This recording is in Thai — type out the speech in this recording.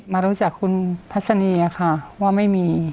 รู้จักคุณทัศนีค่ะว่าไม่มี